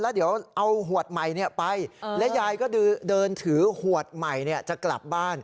แล้วเดี๋ยวเอาขวดใหม่ไปและยายก็เดินถือหวดใหม่จะกลับบ้าน